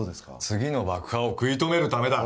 次の爆破を食い止めるためだ